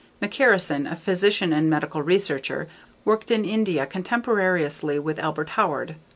McCarrison, a physician and medical researcher, worked in India contemporaneously with Albert Howard.